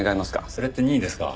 それって任意ですか？